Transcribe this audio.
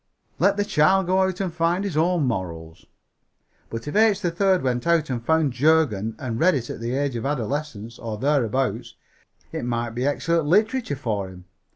Let the child go out and find his own morals. But if H. 3rd went out and found Jurgen and read it at the age of adolescence, or thereabouts, it might be excellent literature for him.